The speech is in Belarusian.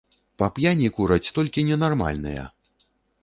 Па п'яні кураць толькі ненармальныя!